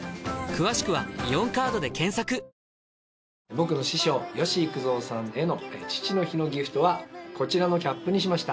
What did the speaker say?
僕の師匠吉幾三さんへの父の日のギフトはこちらのキャップにしました。